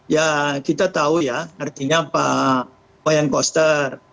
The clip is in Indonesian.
ya kita tahu ya artinya pak wayan koster